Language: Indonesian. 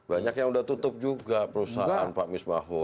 banyak yang udah tutup juga perusahaan pak misbaho